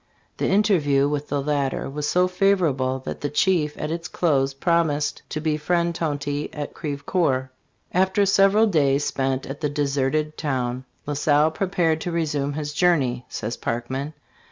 The interview (with the latter) was so favorable that the chief at its close promised to be friend Tonty at Crevecoeur "After several days spent at the deserted town, La Salle prepared to resume his journey," says Parkman.